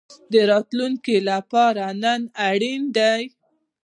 د راتلونکي لپاره نن اړین ده